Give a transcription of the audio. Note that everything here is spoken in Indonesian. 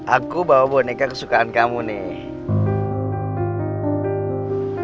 aku bawa boneka kesukaan kamu nih